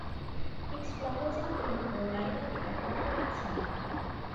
Its flowers are pink or lilac and open in summer.